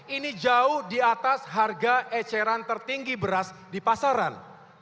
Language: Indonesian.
ini jauh di atas harga eceran tertinggi beras di pasaran